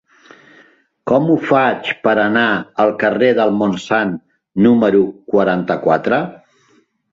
Com ho faig per anar al carrer del Montsant número quaranta-quatre?